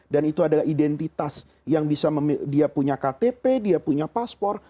dan itu adalah identitas yang bisa dia punya ktp dia punya paspor